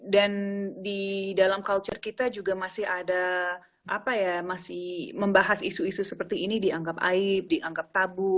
dan di dalam culture kita juga masih ada apa ya masih membahas isu isu seperti ini dianggap aib dianggap tabu